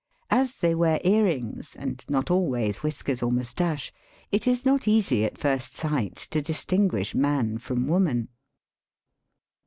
As they wear earrings, and not always whiskers or moustache, it is not easy at first sight to distinguish man from woman.